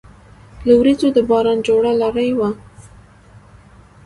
له وریځو د باران جوړه لړۍ وه